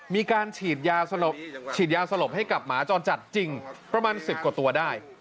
มีการฉีดยาฉีดยาสลบให้กับหมาจรจัดจริงประมาณ๑๐กว่าตัวได้